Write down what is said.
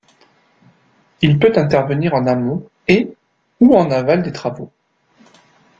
Il peut intervenir en amont et, ou en aval des travaux.